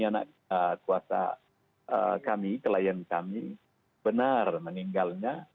anak kuasa kami klien kami benar meninggalnya